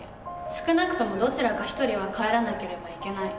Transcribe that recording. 少なくともどちらか１人は帰らなければいけない。